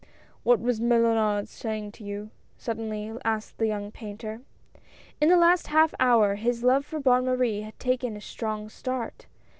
" What was Mellunard saying to you ? suddenly asked the young painter. In the last half hour his love for Bonne Marie had taken a strong start.